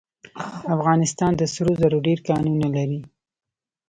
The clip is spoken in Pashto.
افغانستان د سرو زرو ډیر کانونه لري.